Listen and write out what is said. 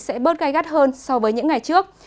sẽ bớt gai gắt hơn so với những ngày trước